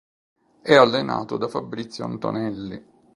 E' allenato da Fabrizio Antonelli.